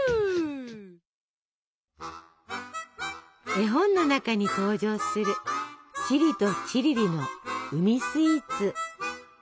絵本の中に登場するチリとチリリの海スイーツ！